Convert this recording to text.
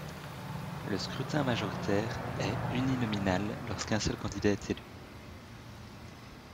Le scrutin majoritaire est uninominal lorsqu'un seul candidat est élu.